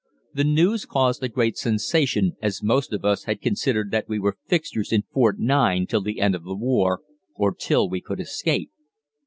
The news caused a great sensation, as most of us had considered that we were fixtures in Fort 9 till the end of the war, or till we could escape.